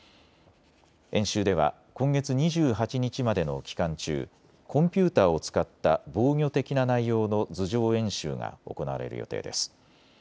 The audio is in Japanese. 演習では今月２８日までの期間中、コンピューターを使った防御的な内容の図上演習が行われる予定です。